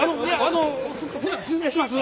ほな失礼します。